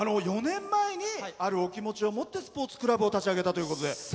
４年前にあるお気持ちを持ってスポーツクラブを立ち上げたということで。